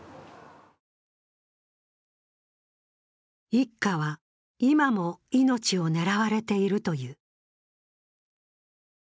一家は今も命を狙われているという。